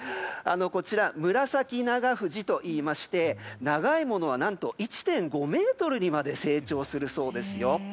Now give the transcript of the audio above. こちら、ムラサキナガフジといいまして、長いものは何と１．５ｍにまで成長するそうですよ。